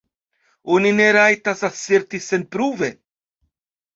Oni ne rajtas aserti senpruve.